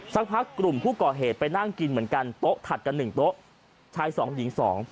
สักพักกลุ่มผู้ก่อเหตุไปนั่งกินเหมือนกันโต๊ะถัดกันหนึ่งโต๊ะชายสองหญิงสอง